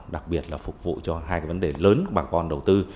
đặc biệt là phục vụ cho hai vấn đề lớn của bà con đầu tư